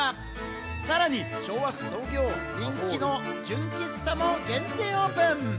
さらに、人気の純喫茶も限定オープン。